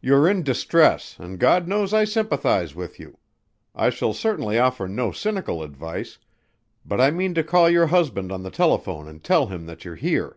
"You're in distress and God knows I sympathize with you. I shall certainly offer no cynical advice, but I mean to call your husband on the telephone and tell him that you're here."